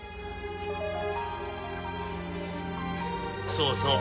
そうそう。